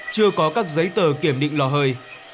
chưa có các giấy tờ kiểm định lò hơi